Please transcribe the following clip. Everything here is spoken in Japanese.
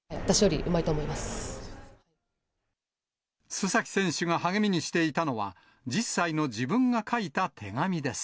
須崎選手が励みにしていたのは、１０歳の自分が書いた手紙です。